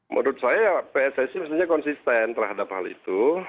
menurut saya pssi mestinya konsisten terhadap hal itu